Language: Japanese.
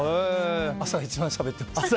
朝一番しゃべってます。